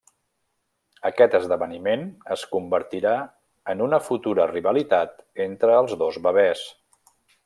Aquest esdeveniment es convertirà en una futura rivalitat entre els dos bebès.